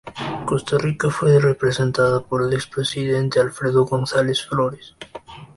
Costa Rica fue representada por el expresidente Alfredo González Flores.